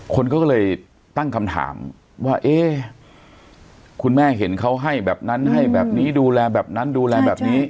คนก็เลยตั้งคำถามว่าเอ๊ะคุณแม่เห็นเขาให้แบบนั้นให้แบบนี้ดูแลแบบนั้นดูแลแบบนี้